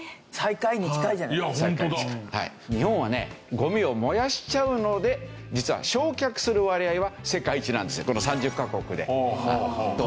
ゴミを燃やしちゃうので実は焼却する割合は世界一なんですよこの３０カ国で。という。